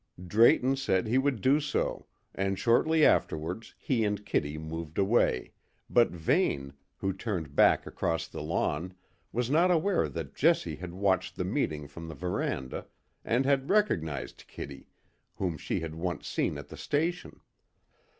Drayton said he would do so, and shortly afterwards he and Kitty moved away, but Vane, who turned back across the lawn, was not aware that Jessie had watched the meeting from the verandah and had recognised Kitty, whom she had once seen at the station.